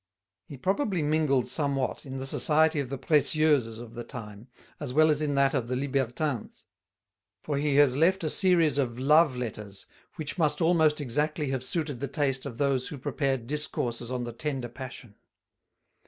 He probably mingled somewhat in the society of the "Précieuses" of the time as well as in that of the "libertins"; for he has left a series of "Love Letters" which must almost exactly have suited the taste of those who prepared Discourses on the Tender Passion.